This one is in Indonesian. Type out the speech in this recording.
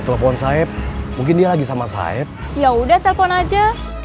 telepon saeb mungkin dia lagi sama saeb ya udah telepon aja